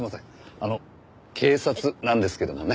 あの警察なんですけどもね。